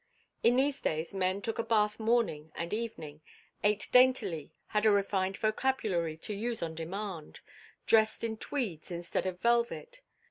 In these days men took a bath morning and evening, ate daintily, had a refined vocabulary to use on demand, dressed in tweeds instead of velvet.